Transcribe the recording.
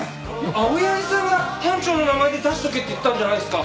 青柳さんが班長の名前で出しとけって言ったんじゃないですか！